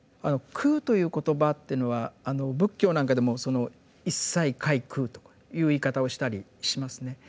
「空」という言葉っていうのはあの仏教なんかでもその「一切皆空」という言い方をしたりしますね。